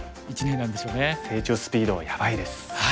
成長スピードがやばいです。